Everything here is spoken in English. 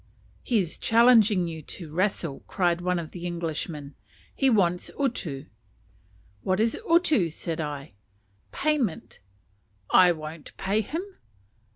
"He is challenging you to wrestle," cried one of the Englishmen; "he wants utu." "What is utu" said I. "Payment." "I won't pay him."